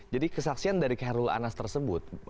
jadi kesaksian dari kherul anas tersebut